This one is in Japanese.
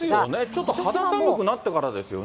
ちょっと肌寒くなってからですよね。